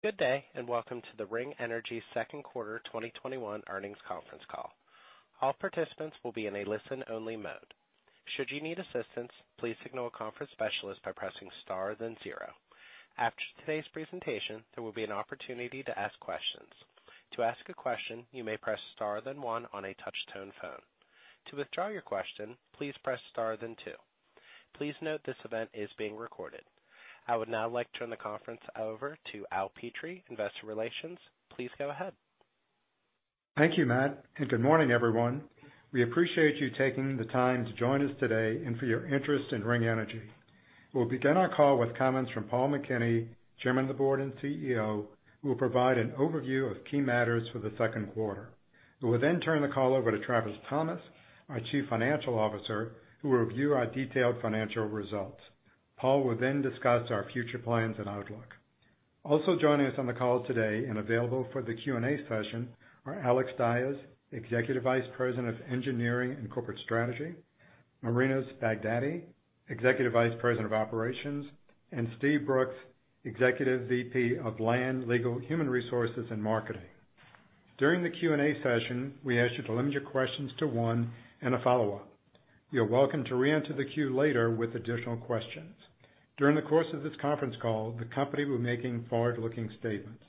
Good day, and welcome to the Ring Energy second quarter 2021 earnings conference call. All participant swill be in listen-only mode. Should you need assistance, please signal a conference specialist by pressing star then zero. After today's presentation, there will be an opportunity to ask questions. Please note this event is being recorded. I would now like to turn the conference over to Al Petrie, Investor Relations. Please go ahead. Thank you, Matt. Good morning, everyone. We appreciate you taking the time to join us today and for your interest in Ring Energy. We will begin our call with comments from Paul McKinney, Chairman of the Board and CEO, who will provide an overview of key matters for the second quarter. We will then turn the call over to Travis Thomas, our Chief Financial Officer, who will review our detailed financial results. Paul will discuss our future plans and outlook. Also joining us on the call today and available for the Q&A session are Alex Dyes, Executive Vice President of Engineering and Corporate Strategy, Marinos Baghdati, Executive Vice President of Operations, and Steve Brooks, Executive VP of Land, Legal, Human Resources, and Marketing. During the Q&A session, we ask you to limit your questions to one and a follow-up. You're welcome to re-enter the queue later with additional questions. During the course of this conference call, the company will be making forward-looking statements.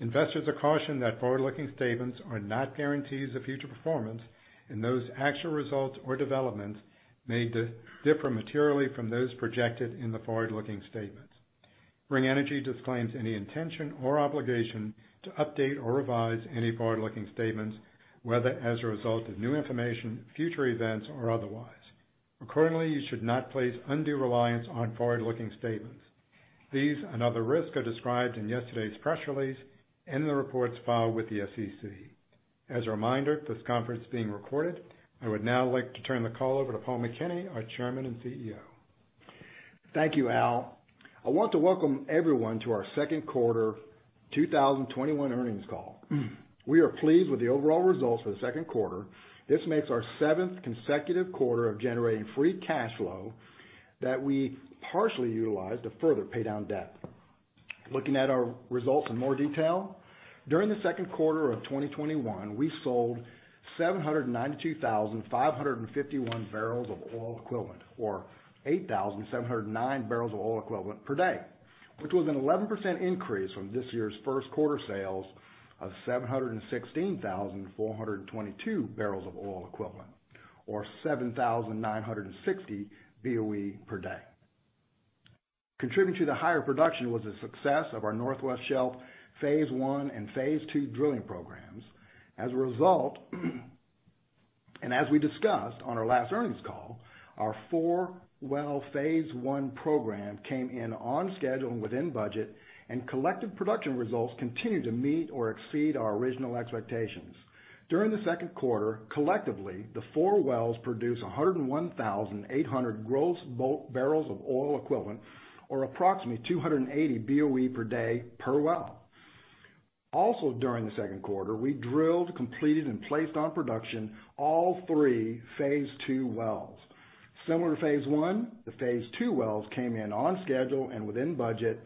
Investors are cautioned that forward-looking statements are not guarantees of future performance, and those actual results or developments may differ materially from those projected in the forward-looking statements. Ring Energy disclaims any intention or obligation to update or revise any forward-looking statements, whether as a result of new information, future events, or otherwise. Accordingly, you should not place undue reliance on forward-looking statements. These and other risks are described in yesterday's press release and in the reports filed with the SEC. As a reminder, this conference is being recorded. I would now like to turn the call over to Paul McKinney, our Chairman and CEO. Thank you, Al. I want to welcome everyone to our second quarter 2021 earnings call. We are pleased with the overall results of the second quarter. This makes our seventh consecutive quarter of generating free cash flow that we partially utilized to further pay down debt. Looking at our results in more detail, during the second quarter of 2021, we sold 792,551 BOE or 8,709 BOE/D, which was an 11% increase from this year's first quarter sales of 716,422 BOE or 7,960 BOE/D. Contributing to the higher production was the success of our Northwest Shelf Phase I and Phase II drilling programs. As a result, and as we discussed on our last earnings call, our four well Phase I program came in on schedule and within budget, and collective production results continue to meet or exceed our original expectations. During the second quarter, collectively, the four wells produced 101,800 gross BOE or approximately 280 BOE/D per well. Also, during the second quarter, we drilled, completed, and placed on production all three Phase II wells. Similar to Phase I, the Phase II wells came in on schedule and within budget,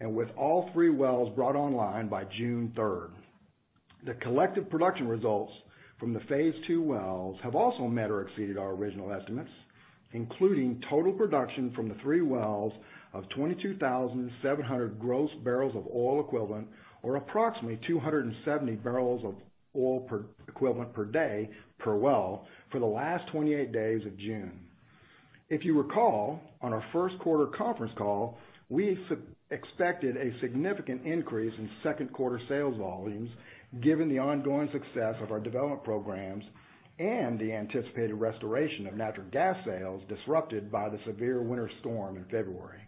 and with all three3 wells brought online by June 3rd. The collective production results from the Phase II wells have also met or exceeded our original estimates, including total production from the three wells of 22,700 gross BOE, or approximately 270 BOE/D per well for the last 28 days of June. If you recall, on our first quarter conference call, we expected a significant increase in second quarter sales volumes given the ongoing success of our development programs and the anticipated restoration of natural gas sales disrupted by the severe winter storm in February.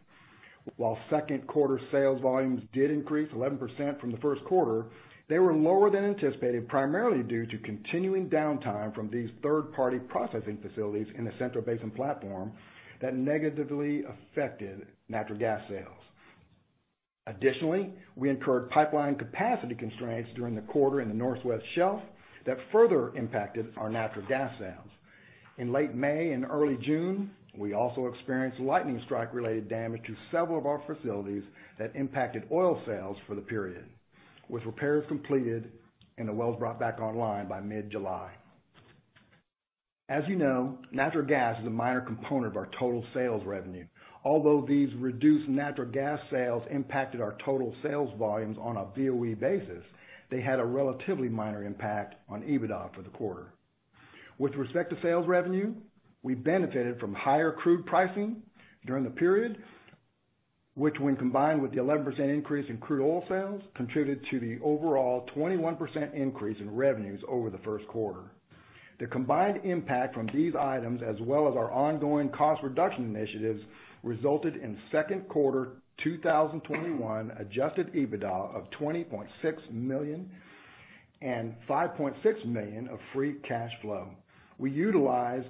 While second quarter sales volumes did increase 11% from the first quarter, they were lower than anticipated, primarily due to continuing downtime from these third-party processing facilities in the Central Basin Platform that negatively affected natural gas sales. We incurred pipeline capacity constraints during the quarter in the Northwest Shelf that further impacted our natural gas sales. In late May and early June, we also experienced lightning strike-related damage to several of our facilities that impacted oil sales for the period, with repairs completed and the wells brought back online by mid-July. As you know, natural gas is a minor component of our total sales revenue. Although these reduced natural gas sales impacted our total sales volumes on a BOE basis, they had a relatively minor impact on EBITDA for the quarter. With respect to sales revenue, we benefited from higher crude pricing during the period, which when combined with the 11% increase in crude oil sales, contributed to the overall 21% increase in revenues over the first quarter. The combined impact from these items, as well as our ongoing cost reduction initiatives, resulted in second quarter 2021 adjusted EBITDA of $20.6 million and $5.6 million of free cash flow. We utilized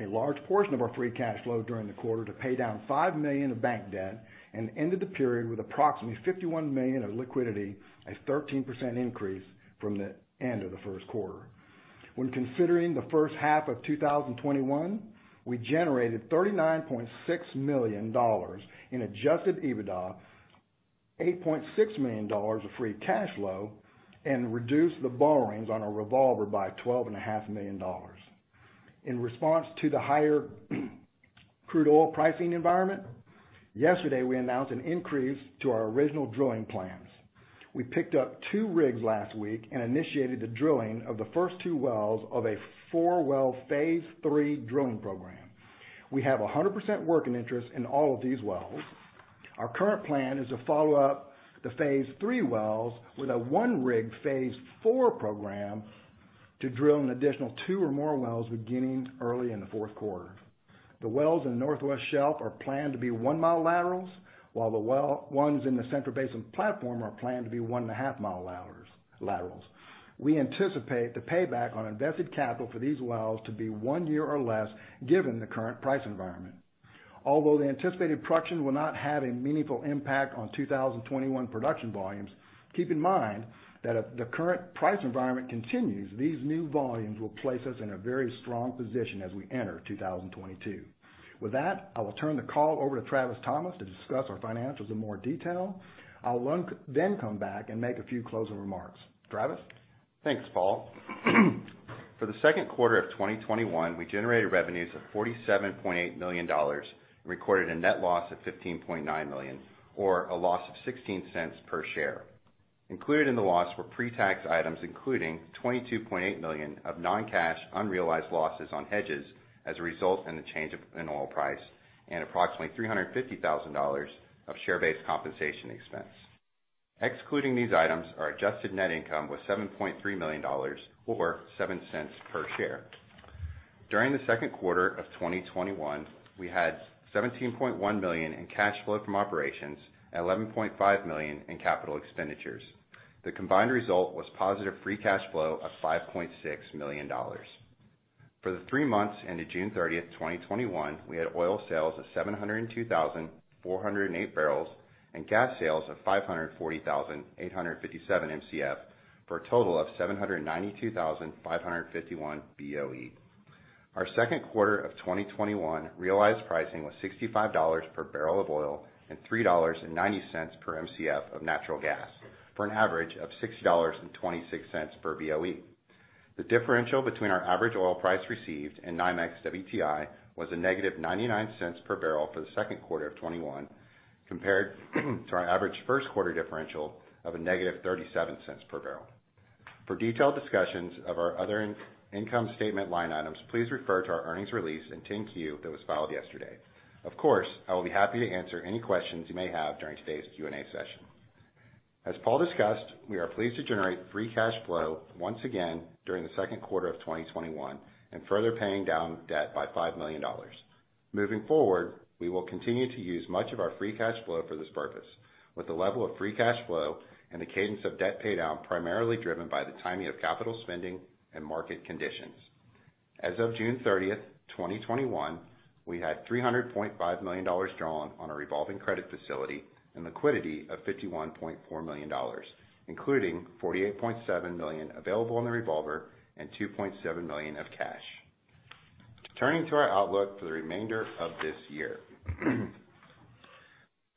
a large portion of our free cash flow during the quarter to pay down $5 million of bank debt and ended the period with approximately $51 million of liquidity, a 13% increase from the end of the first quarter. When considering the first half of 2021, we generated $39.6 million in adjusted EBITDA, $8.6 million of free cash flow, and reduced the borrowings on our revolver by $12.5 million. In response to the higher crude oil pricing environment, yesterday, we announced an increase to our original drilling plans. We picked up two rigs last week and initiated the drilling of the first two wells of a four-well Phase III drilling program. We have 100% working interest in all of these wells. Our current plan is to follow up the Phase III wells with a one rig Phase IV program to drill an additional two or more wells beginning early in the fourth quarter. The wells in the Northwest Shelf are planned to be 1 mi laterals, while the ones in the Central Basin Platform are planned to be 1.5 mi laterals. We anticipate the payback on invested capital for these wells to be one year or less given the current price environment. Although the anticipated production will not have a meaningful impact on 2021 production volumes, keep in mind that if the current price environment continues, these new volumes will place us in a very strong position as we enter 2022. With that, I will turn the call over to Travis Thomas to discuss our financials in more detail. I'll then come back and make a few closing remarks. Travis? Thanks, Paul. For the second quarter of 2021, we generated revenues of $47.8 million and recorded a net loss of $15.9 million, or a loss of $0.16/share. Included in the loss were pre-tax items, including $22.8 million of non-cash unrealized losses on hedges as a result in the change of oil price, and approximately $350,000 of share-based compensation expense. Excluding these items, our adjusted net income was $7.3 million, or $0.07/share. During the second quarter of 2021, we had $17.1 million in cash flow from operations and $11.5 million in capital expenditures. The combined result was positive free cash flow of $5.6 million. For the three months ended June 30th, 2021, we had oil sales of 702,408 barrels and gas sales of 540,857 Mcf, for a total of 792,551 BOE. Our second quarter of 2021 realized pricing was $65/barrel of oil and $3.90/Mcf of natural gas, for an average of $6.26/BOE. The differential between our average oil price received and NYMEX WTI was a -$0.99/barrel for the second quarter of 2021, compared to our average first quarter differential of a -$0.37/barrel. For detailed discussions of our other income statement line items, please refer to our earnings release and 10-Q that was filed yesterday. Of course, I will be happy to answer any questions you may have during today's Q&A session. As Paul discussed, we are pleased to generate free cash flow once again during the second quarter of 2021 and further paying down debt by $5 million. Moving forward, we will continue to use much of our free cash flow for this purpose with the level of free cash flow and the cadence of debt paydown primarily driven by the timing of capital spending and market conditions. As of June 30th, 2021, we had $300.5 million drawn on our revolving credit facility and liquidity of $51.4 million, including $48.7 million available in the revolver and $2.7 million of cash. Turning to our outlook for the remainder of this year.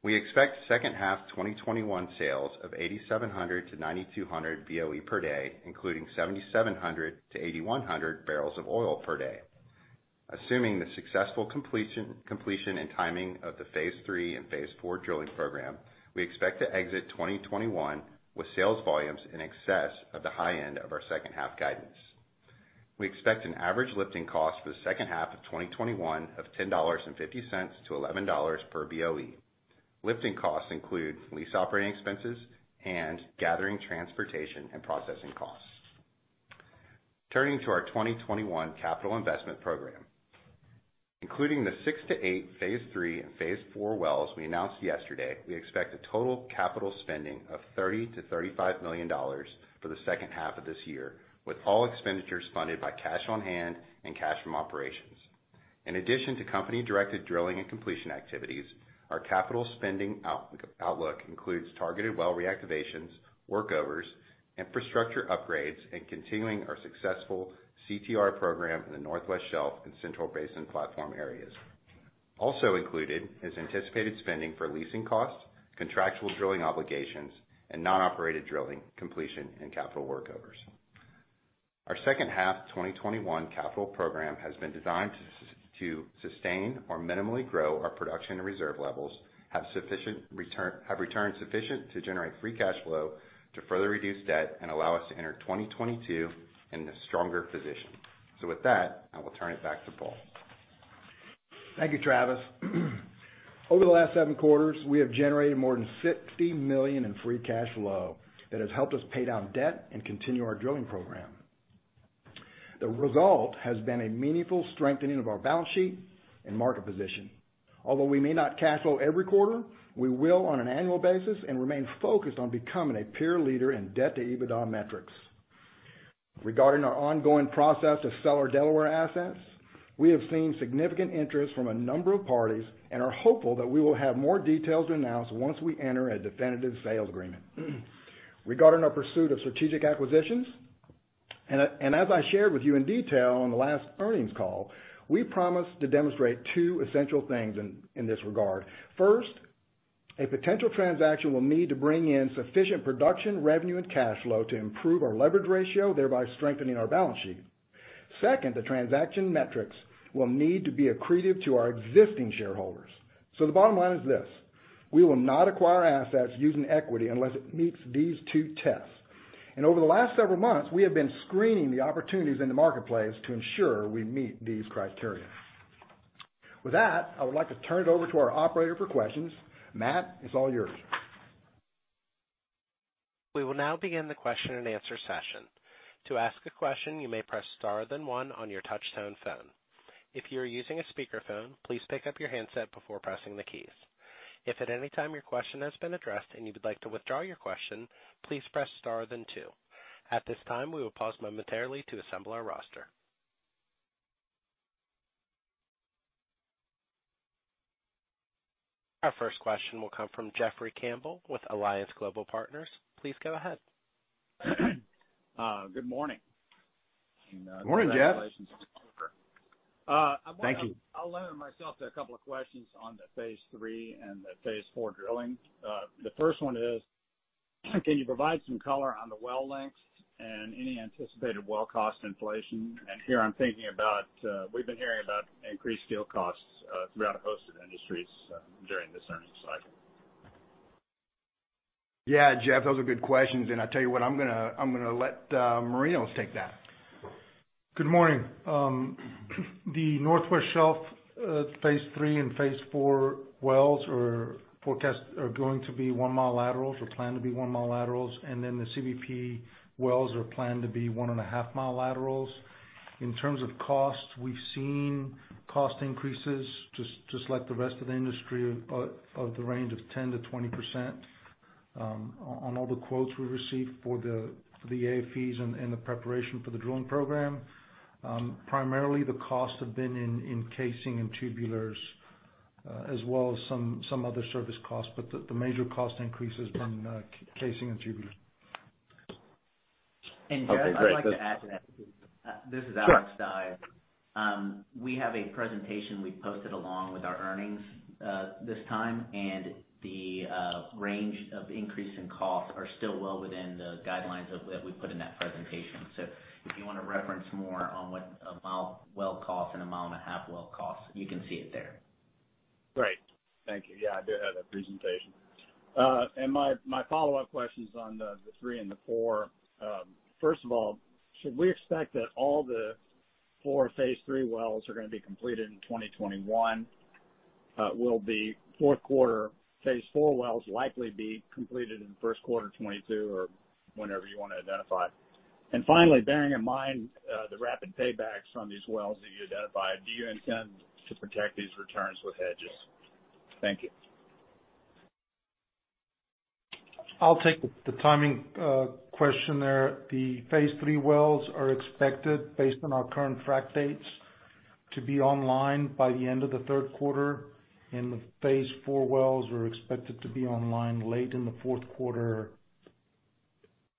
We expect second half 2021 sales of 8,700 BOE/D-9,200 BOE/D, including 7,700 BOE/D-8,100 BOE/D. Assuming the successful completion and timing of the Phase III and Phase IV drilling program, we expect to exit 2021 with sales volumes in excess of the high end of our second half guidance. We expect an average lifting cost for the second half of 2021 of $10.50-$11/BOE. Lifting costs include lease operating expenses and gathering, transportation, and processing costs. Turning to our 2021 capital investment program. Including the six to eight Phase III and Phase IV wells we announced yesterday, we expect a total capital spending of $30 million-$35 million for the second half of this year, with all expenditures funded by cash on hand and cash from operations. In addition to company-directed drilling and completion activities, our capital spending outlook includes targeted well reactivations, workovers, infrastructure upgrades, and continuing our successful CTR program in the Northwest Shelf and Central Basin Platform areas. Also included is anticipated spending for leasing costs, contractual drilling obligations, and non-operated drilling, completion, and capital workovers. Our second half 2021 capital program has been designed to sustain or minimally grow our production and reserve levels, have returned sufficient to generate free cash flow to further reduce debt and allow us to enter 2022 in a stronger position. With that, I will turn it back to Paul. Thank you, Travis. Over the last seven quarters, we have generated more than $60 million in free cash flow that has helped us pay down debt and continue our drilling program. The result has been a meaningful strengthening of our balance sheet and market position. Although we may not cash flow every quarter, we will on an annual basis and remain focused on becoming a peer leader in debt to EBITDA metrics. Regarding our ongoing process to sell our Delaware assets. We have seen significant interest from a number of parties and are hopeful that we will have more details to announce once we enter a definitive sales agreement. Regarding our pursuit of strategic acquisitions, and as I shared with you in detail on the last earnings call, we promised to demonstrate two essential things in this regard. A potential transaction will need to bring in sufficient production revenue and cash flow to improve our leverage ratio, thereby strengthening our balance sheet. The transaction metrics will need to be accretive to our existing shareholders. The bottom line is this: we will not acquire assets using equity unless it meets these two tests. Over the last several months, we have been screening the opportunities in the marketplace to ensure we meet these criteria. With that, I would like to turn it over to our operator for questions. Matt, it's all yours. We will now begin the question and answer session. To ask a question, you may press star then one on your touchtone phone. If you're using a speaker phone, please pick up your handset before pressing the keys. If at any time your question has been addressed and you would like to withdraw your question, please press star then two. At this time, we will pause momentarily to assemble our roster. Our first question will come from Jeffrey Campbell with Alliance Global Partners. Please go ahead. Good morning. Morning, Jeff. Congratulations. Thank you. I'll limit myself to a couple of questions on the Phase III and the Phase IV drilling. The first one is, can you provide some color on the well lengths and any anticipated well cost inflation? Here I'm thinking about, we've been hearing about increased steel costs throughout a host of industries during this earnings cycle. Yeah, Jeff, those are good questions. I tell you what, I'm gonna let Marinos take that. Good morning. The Northwest Shelf Phase III and Phase IV wells are going to be 1 mi laterals. We're planning to be 1 mi laterals, and then the CBP wells are planned to be 1.5 mi laterals. In terms of cost, we've seen cost increases, just like the rest of the industry, of the range of 10%-20%, on all the quotes we've received for the AFE's and the preparation for the drilling program. Primarily, the costs have been in casing and tubulars, as well as some other service costs. But the major cost increase has been casing and tubulars. Okay, great. Jeff, I'd like to add to that too. This is Alex Dyes. We have a presentation we posted along with our earnings this time, and the range of increase in cost are still well within the guidelines that we put in that presentation. If you want to reference more on what 1 mi well cost and 1.5 mi well costs, you can see it there. Great. Thank you. Yeah, I did have that presentation. My follow-up question's on the three and the four. First of all, should we expect that all the four Phase III wells are going to be completed in 2021? Will the fourth quarter Phase IV wells likely be completed in the first quarter 2022 or whenever you want to identify? Finally, bearing in mind the rapid paybacks on these wells that you identified, do you intend to protect these returns with hedges? Thank you. I'll take the timing question there. The Phase III wells are expected, based on our current frac dates, to be online by the end of the third quarter, and the Phase IV wells are expected to be online late in the fourth quarter,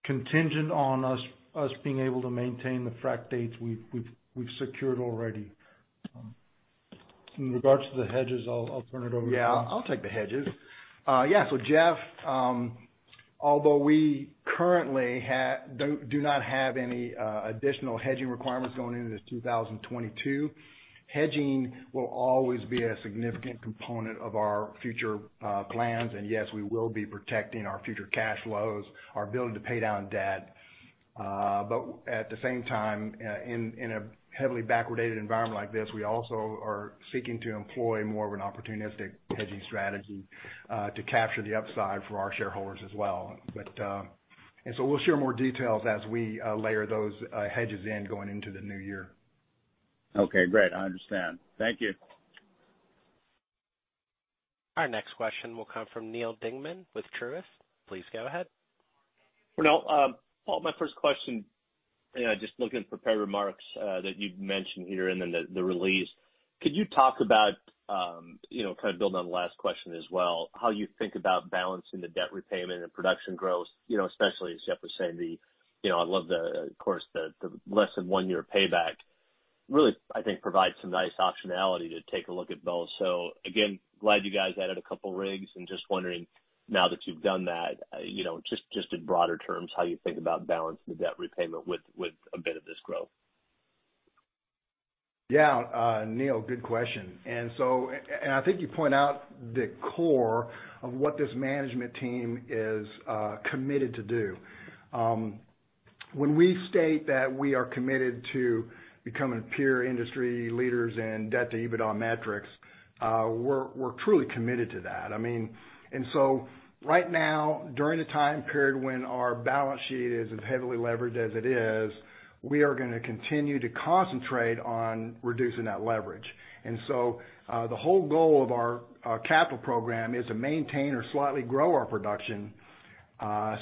contingent on us being able to maintain the frac dates we've secured already. In regards to the hedges, I'll turn it over to Paul. Yeah, I'll take the hedges. Yeah. Jeff, although we currently do not have any additional hedging requirements going into this 2022, hedging will always be a significant component of our future plans. Yes, we will be protecting our future cash flows, our ability to pay down debt. At the same time, in a heavily backwardated environment like this, we also are seeking to employ more of an opportunistic hedging strategy to capture the upside for our shareholders as well. We'll share more details as we layer those hedges in going into the new year. Okay, great. I understand. Thank you. Our next question will come from Neal Dingmann with Truist. Please go ahead. Paul, my first question, just looking at prepared remarks that you've mentioned here and in the release, could you talk about, kind of building on the last question as well, how you think about balancing the debt repayment and production growth, especially as Jeff was saying the I love the, of course, the less than one-year payback really, I think, provides some nice optionality to take a look at both. Again, glad you guys added a couple rigs, and just wondering now that you've done that, just in broader terms, how you think about balancing the debt repayment with a bit of this growth. Yeah. Neal, good question. I think you point out the core of what this management team is committed to do. When we state that we are committed to becoming peer industry leaders in debt-to-EBITDA metrics, we're truly committed to that. Right now, during the time period when our balance sheet is as heavily leveraged as it is, we are going to continue to concentrate on reducing that leverage. The whole goal of our capital program is to maintain or slightly grow our production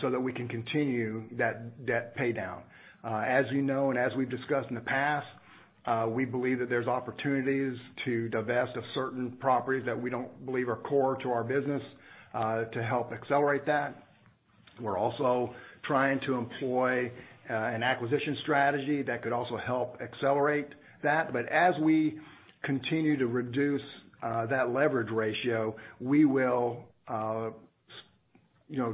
so that we can continue that debt pay down. As you know, and as we've discussed in the past, we believe that there's opportunities to divest of certain properties that we don't believe are core to our business, to help accelerate that. We're also trying to employ an acquisition strategy that could also help accelerate that. As we continue to reduce that leverage ratio, we will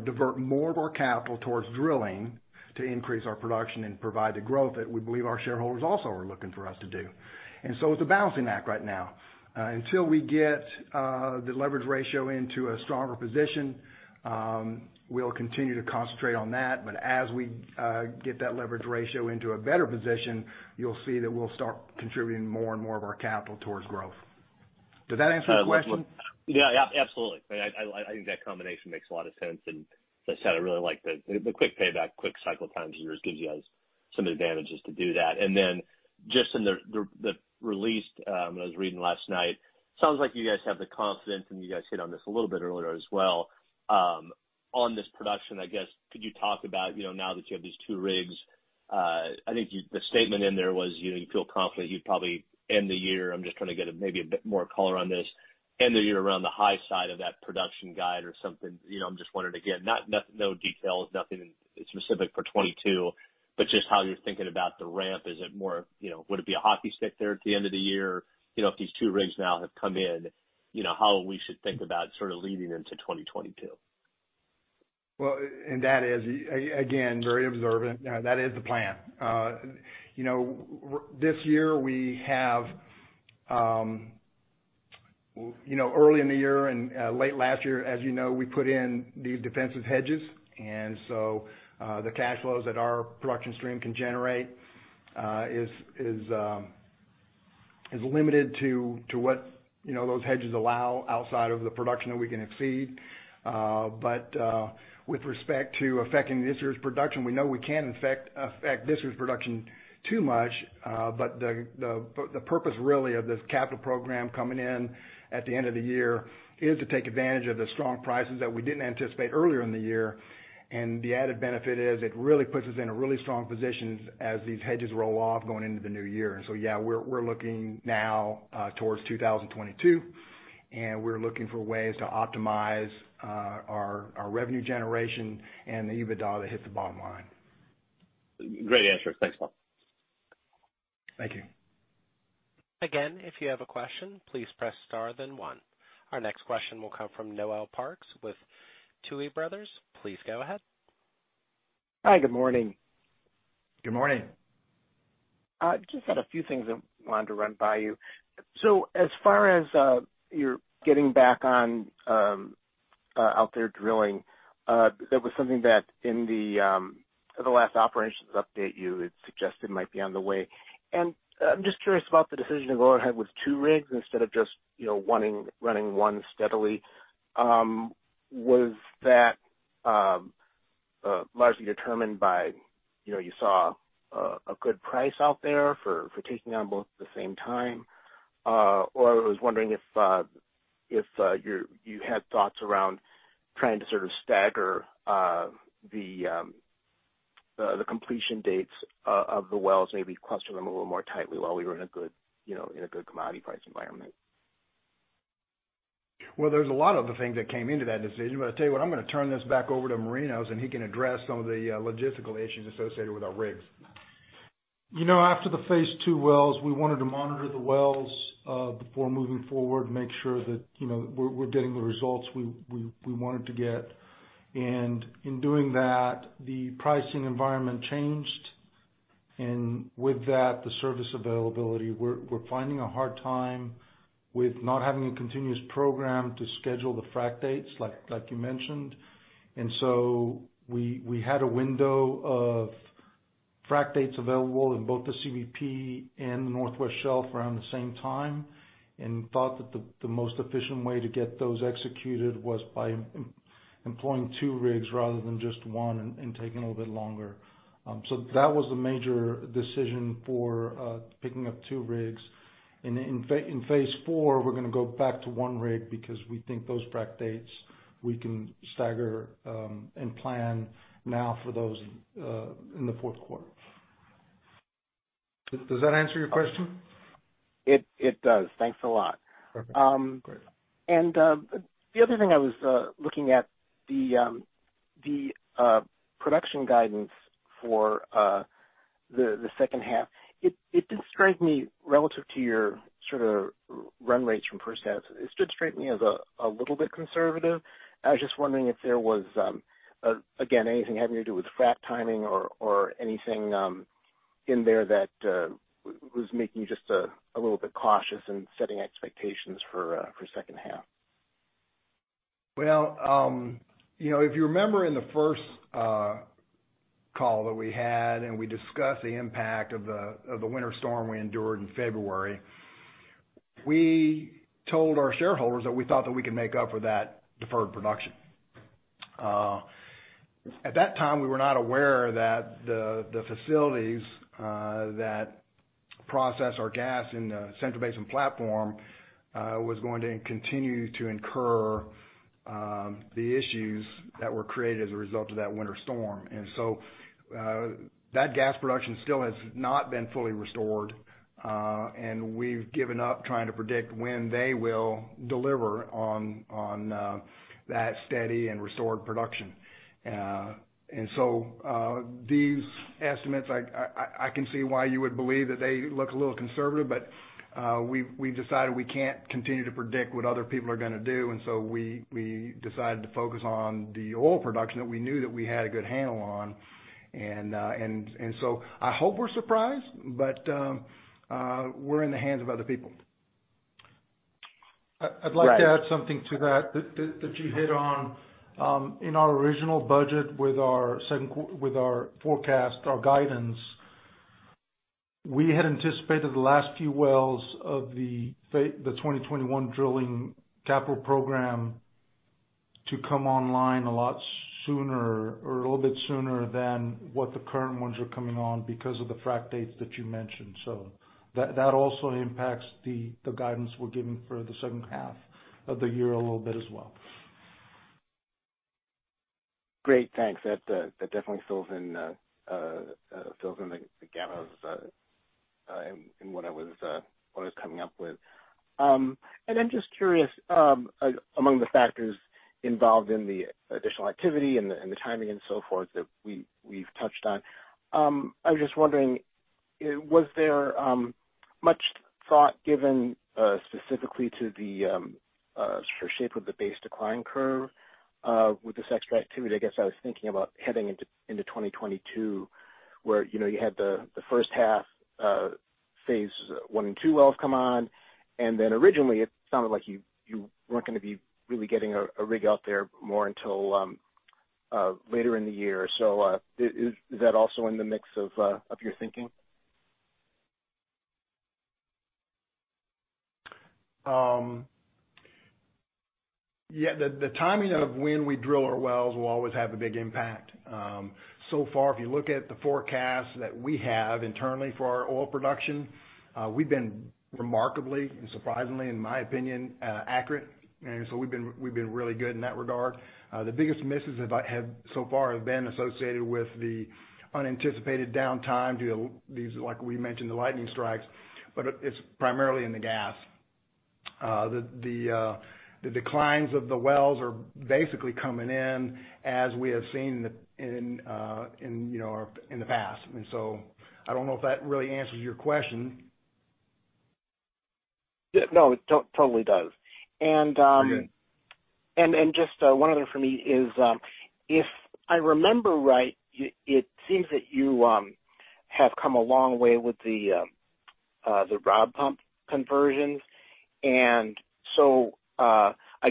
divert more of our capital towards drilling to increase our production and provide the growth that we believe our shareholders also are looking for us to do. It's a balancing act right now. Until we get the leverage ratio into a stronger position, we'll continue to concentrate on that. As we get that leverage ratio into a better position, you'll see that we'll start contributing more and more of our capital towards growth. Does that answer your question? Yeah. Absolutely. I think that combination makes a lot of sense, like I said, I really like the quick payback, quick cycle times of yours gives you guys some advantages to do that. Just in the release, I was reading last night, sounds like you guys have the confidence, and you guys hit on this a little bit earlier as well, on this production. I guess, could you talk about, now that you have these two rigs, I think the statement in there was you feel confident you'd probably end the year, I'm just trying to get maybe a bit more color on this, end the year around the high side of that production guide or something. I'm just wondering, again, no details, nothing specific for 2022, just how you're thinking about the ramp. Would it be a hockey stick there at the end of the year? If these two rigs now have come in, how we should think about leading into 2022? That is, again, very observant. That is the plan. This year we have early in the year and late last year, as you know, we put in these defensive hedges. The cash flows that our production stream can generate is limited to what those hedges allow outside of the production that we can exceed. With respect to affecting this year's production, we know we can affect this year's production too much. The purpose really of this capital program coming in at the end of the year is to take advantage of the strong prices that we didn't anticipate earlier in the year. The added benefit is it really puts us in a really strong position as these hedges roll off going into the new year. Yeah, we're looking now towards 2022, and we're looking for ways to optimize our revenue generation and the EBITDA that hits the bottom line. Great answer. Thanks, Paul. Thank you. Again, if you have a question, please press star then one. Our next question will come from Noel Parks with Tuohy Brothers. Please go ahead. Hi, good morning. Good morning. Just had a few things I wanted to run by you. As far as you're getting back on out there drilling, that was something that in the last operations update you had suggested might be on the way. I'm just curious about the decision to go ahead with two rigs instead of just running one steadily. Was that largely determined by, you know, you saw a good price out there for taking on both the same time. I was wondering if you had thoughts around trying to sort of stagger the completion dates of the wells, maybe cluster them a little more tightly while we were in a good commodity price environment. Well, there's a lot of other things that came into that decision. I'll tell you what, I'm going to turn this back over to Marinos. He can address some of the logistical issues associated with our rigs. After the Phase II wells, we wanted to monitor the wells before moving forward to make sure that we're getting the results we wanted to get. In doing that, the pricing environment changed. With that, the service availability, we're finding a hard time with not having a continuous program to schedule the frac dates like you mentioned. We had a window of frac dates available in both the CBP and the Northwest Shelf around the same time, and thought that the most efficient way to get those executed was by employing two rigs rather than just one and taking a little bit longer. That was the major decision for picking up two rigs. In Phase IV, we're going to go back to one rig because we think those frac dates we can stagger, and plan now for those in the fourth quarter. Does that answer your question? It does. Thanks a lot. Perfect. Great. The other thing I was looking at the production guidance for the second half. It did strike me relative to your sort of run rates from first half. It did strike me as a little bit conservative. I was just wondering if there was, again, anything having to do with frac timing or anything in there that was making you just a little bit cautious in setting expectations for second half. Well, if you remember in the first call that we had, and we discussed the impact of the winter storm we endured in February, we told our shareholders that we thought that we could make up for that deferred production. At that time, we were not aware that the facilities that process our gas in the Central Basin Platform was going to continue to incur the issues that were created as a result of that winter storm. That gas production still has not been fully restored, and we've given up trying to predict when they will deliver on that steady and restored production. These estimates, I can see why you would believe that they look a little conservative, but we decided we can't continue to predict what other people are going to do, and so we decided to focus on the oil production that we knew that we had a good handle on. I hope we're surprised, but we're in the hands of other people. I'd like to add something to that you hit on. In our original budget with our forecast, our guidance, we had anticipated the last few wells of the 2021 drilling capital program to come online a lot sooner or a little bit sooner than what the current ones are coming on because of the frac dates that you mentioned. That also impacts the guidance we're giving for the second half of the year a little bit as well. Great. Thanks. That definitely fills in the gaps in what I was coming up with. I'm just curious, among the factors involved in the additional activity and the timing and so forth that we've touched on, I was just wondering, was there much thought given specifically to the shape of the base decline curve with this extra activity? I guess I was thinking about heading into 2022 where you had the first half Phase I and II wells come on, originally it sounded like you weren't going to be really getting a rig out there more until later in the year. Is that also in the mix of your thinking? Yeah. The timing of when we drill our wells will always have a big impact. So far, if you look at the forecast that we have internally for our oil production, we've been remarkably and surprisingly, in my opinion, accurate. We've been really good in that regard. The biggest misses so far have been associated with the unanticipated downtime due to these, like we mentioned, the lightning strikes, but it's primarily in the gas. The declines of the wells are basically coming in as we have seen in the past. I don't know if that really answers your question. No, it totally does. Okay. Just one other for me is, if I remember right, it seems that you have come a long way with the rod pump conversions. I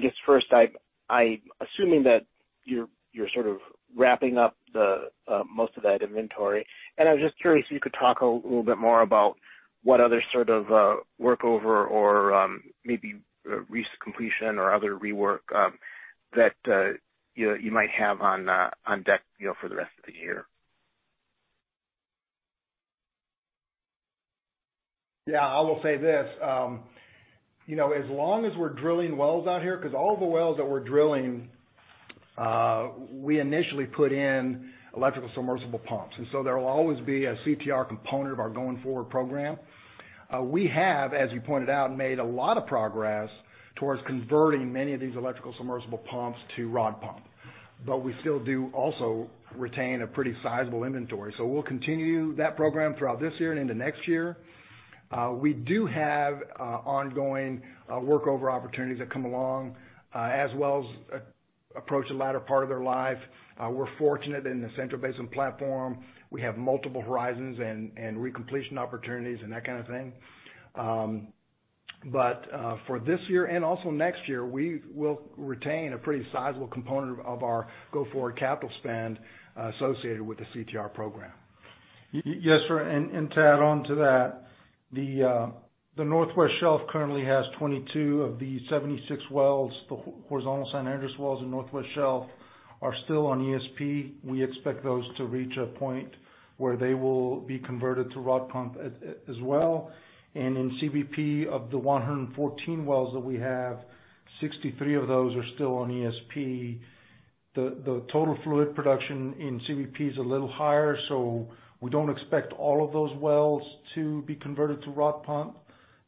guess first, assuming that you're sort of wrapping up most of that inventory, and I was just curious if you could talk a little bit more about what other sort of workover or maybe re-completion or other rework that you might have on deck for the rest of the year. I will say this. As long as we're drilling wells out here, because all the wells that we're drilling, we initially put in electrical submersible pumps. There will always be a CTR component of our going forward program. We have, as you pointed out, made a lot of progress towards converting many of these electrical submersible pumps to rod pump. We still do also retain a pretty sizable inventory. We'll continue that program throughout this year and into next year. We do have ongoing workover opportunities that come along as wells approach the latter part of their life. We're fortunate in the Central Basin Platform, we have multiple horizons and re-completion opportunities and that kind of thing. For this year and also next year, we will retain a pretty sizable component of our go forward capital spend associated with the CTR program. Yes, sir. To add on to that, the Northwest Shelf currently has 22 of the 76 wells. The horizontal San Andres wells in Northwest Shelf are still on ESP. We expect those to reach a point where they will be converted to rod pump as well. In CBP, of the 114 wells that we have, 63 of those are still on ESP. The total fluid production in CBP is a little higher, so we don't expect all of those wells to be converted to rod pump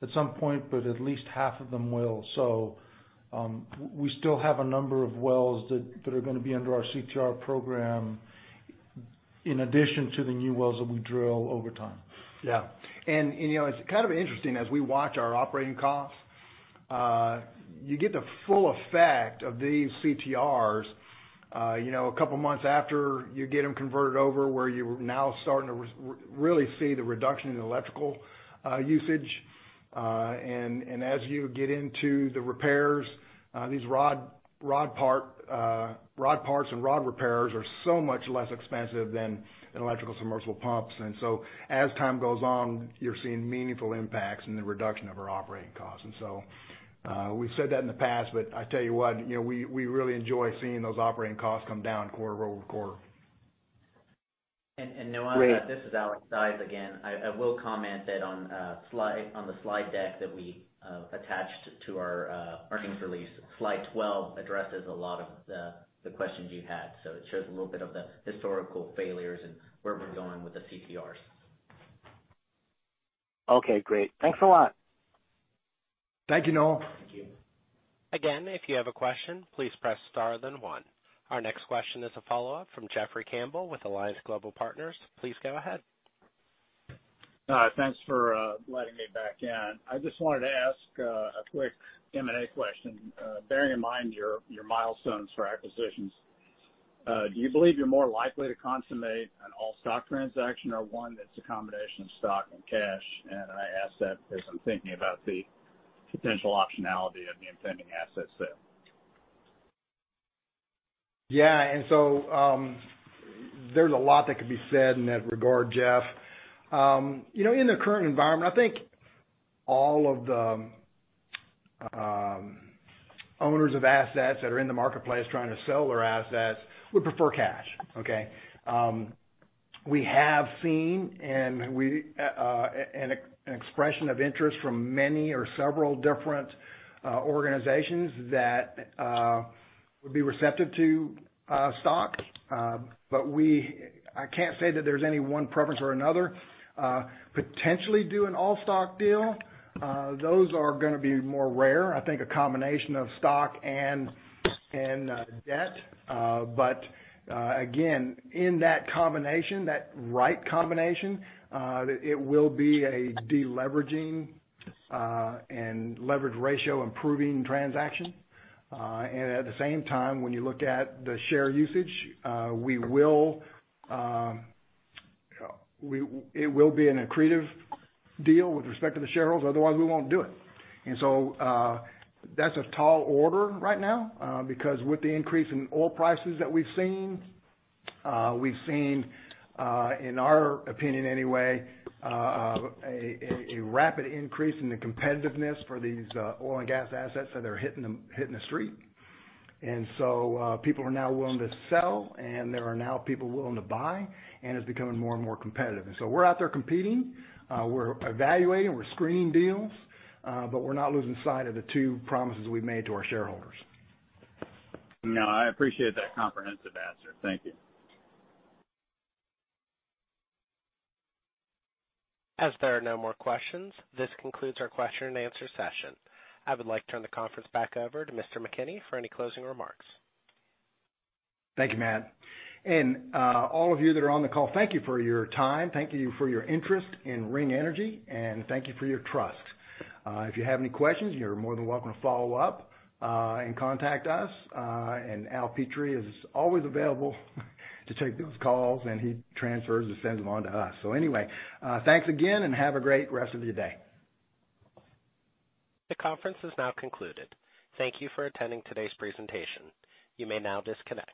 at some point, but at least half of them will. We still have a number of wells that are going to be under our CTR program in addition to the new wells that we drill over time. Yeah. It's kind of interesting as we watch our operating costs, you get the full effect of these CTRs a couple of months after you get them converted over, where you're now starting to really see the reduction in electrical usage. As you get into the repairs, these rod parts and rod repairs are so much less expensive than electrical submersible pumps. As time goes on, you're seeing meaningful impacts in the reduction of our operating costs. We've said that in the past, but I tell you what, we really enjoy seeing those operating costs come down quarter-over-quarter. Noel, this is Alex Dyes again. I will comment that on the slide deck that we attached to our earnings release, slide 12 addresses a lot of the questions you had. It shows a little bit of the historical failures and where we're going with the CTRs. Okay, great. Thanks a lot. Thank you, Noel. Thank you. Again, if you have a question, please press star then one. Our next question is a follow-up from Jeffrey Campbell with Alliance Global Partners. Please go ahead. Thanks for letting me back in. I just wanted to ask a quick M&A question. Bearing in mind your milestones for acquisitions, do you believe you're more likely to consummate an all-stock transaction or one that's a combination of stock and cash? I ask that because I'm thinking about the potential optionality of the impending asset sale. Yeah. There's a lot that could be said in that regard, Jeff. In the current environment, I think all of the owners of assets that are in the marketplace trying to sell their assets would prefer cash. Okay. We have seen an expression of interest from many or several different organizations that would be receptive to stock. I can't say that there's any one preference or another. Potentially do an all-stock deal, those are going to be more rare. I think a combination of stock and debt. Again, in that combination, that right combination, it will be a deleveraging and leverage ratio improving transaction. At the same time, when you look at the share usage, it will be an accretive deal with respect to the shareholders, otherwise we won't do it. That's a tall order right now, because with the increase in oil prices that we've seen, in our opinion anyway, a rapid increase in the competitiveness for these oil and gas assets that are hitting the street. People are now willing to sell, and there are now people willing to buy, and it's becoming more and more competitive. We're out there competing, we're evaluating, we're screening deals, but we're not losing sight of the two promises we've made to our shareholders. No, I appreciate that comprehensive answer. Thank you. As there are no more questions, this concludes our question and answer session. I would like to turn the conference back over to Mr. McKinney for any closing remarks. Thank you, Matt. All of you that are on the call, thank you for your time, thank you for your interest in Ring Energy, and thank you for your trust. If you have any questions, you're more than welcome to follow up and contact us. Al Petrie is always available to take those calls, and he transfers or sends them on to us. Anyway, thanks again, and have a great rest of your day. The conference is now concluded. Thank you for attending today's presentation. You may now disconnect.